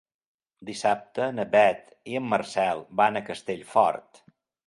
Dissabte na Beth i en Marcel van a Castellfort.